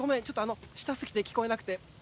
ちょっと下すぎて聞こえなくて。